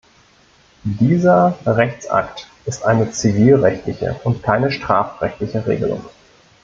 Dieser Rechtsakt ist eine zivilrechtliche und keine strafrechtliche Regelung.